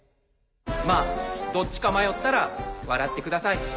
まぁどっちか迷ったら笑ってください。